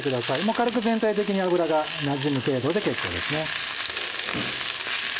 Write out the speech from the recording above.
軽く全体的に油がなじむ程度で結構ですね。